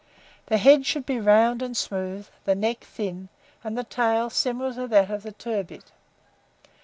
The head should be round and smooth, the neck thin, and the tail similar to that of the turbit.